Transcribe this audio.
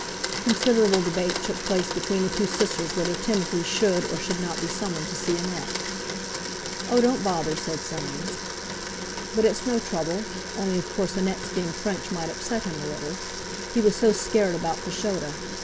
Considerable debate took place between the two sisters whether Timothy should or should not be summoned to see Annette. "Oh, don't bother!" said Soames. "But it's no trouble, only of course Annette's being French might upset him a little. He was so scared about Fashoda.